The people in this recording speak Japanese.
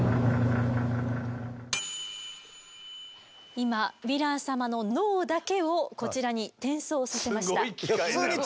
今ヴィラン様の脳だけをこちらに転送させました。